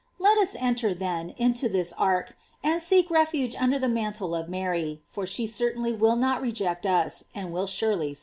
Let us enter, then, into this ark, and seek refuge under the mantle of Mary; for she certainly will not reject us, and will surely save us.